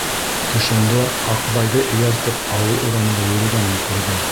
Төшөндә Аҡбайҙы эйәртеп ауыл урамында йөрөгәнен күрҙе.